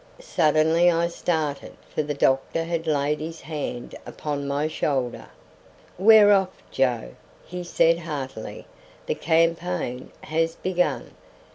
Suddenly I started, for the doctor had laid his hand upon my shoulder. "We're off, Joe," he said heartily; "the campaign has begun.